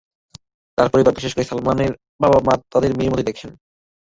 তাঁর পরিবার, বিশেষ করে সালমানের বাবা-মা আমাকে তাঁদের মেয়ের মতোই দেখেন।